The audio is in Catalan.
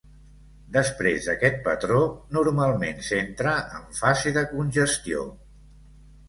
Després d'aquest patró normalment s'entra en fase de congestió.